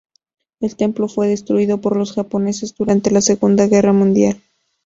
El templo fue destruido por los japoneses durante la Segunda Guerra Mundial.